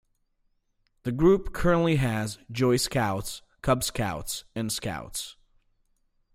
The group currently has Joey Scouts, Cub Scouts and Scouts.